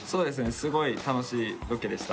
すごい楽しいロケでした。